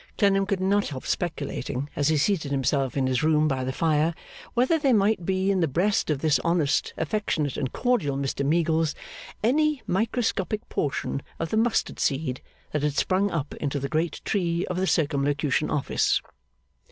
Clennam could not help speculating, as he seated himself in his room by the fire, whether there might be in the breast of this honest, affectionate, and cordial Mr Meagles, any microscopic portion of the mustard seed that had sprung up into the great tree of the Circumlocution Office.